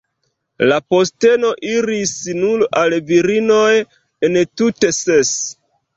La posteno iris nur al virinoj, entute ses.